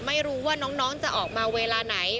ไม่รู้ว่าน้องจะออกมาเวลาไหน